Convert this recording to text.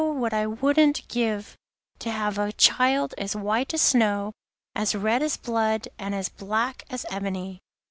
what wouldn't I give to have a child as white as snow, as red as blood, and as black as ebony!